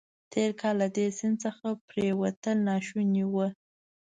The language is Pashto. تېر کال له دې سیند څخه پورېوتل ناشوني وو.